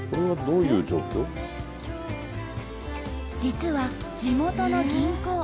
実は地元の銀行。